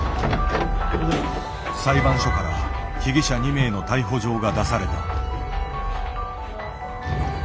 裁判所から被疑者２名の逮捕状が出された。